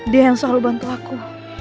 dia yang selalu bantu aku